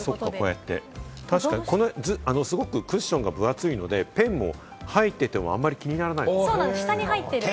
すごくクッションが分厚いのでペンが入っていても気にならない。